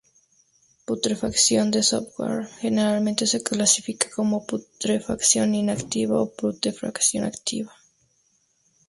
Putrefacción de software generalmente se clasifica como putrefacción inactiva o putrefacción activa.